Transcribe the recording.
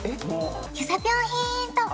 ゆさぴょんヒント